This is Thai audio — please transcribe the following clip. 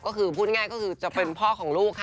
ก็คือพูดง่ายก็คือจะเป็นพ่อของลูกค่ะ